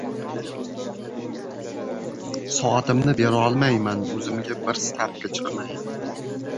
Soatimni berolmayman, oʻzimga bir stavka chiqmaydi.